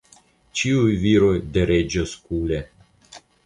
ĉiuj viroj de reĝo Skule!